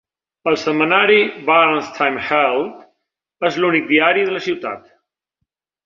El setmanari "Burns Times-Herald" és l'únic diari de la ciutat.